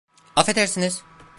Afedersiniz.